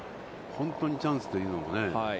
本当にチャンスというのはね。